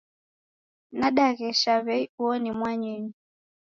Nadaghesha w'ei uo ni mwanyinyu